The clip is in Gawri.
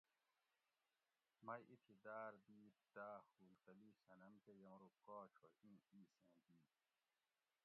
مئ ایتھی داۤر دِیت داۤ ھول تلی صنم کہ یمرو کاچ ھو ایں ایسیں دی